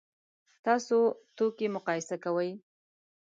تاسو توکي مقایسه کوئ؟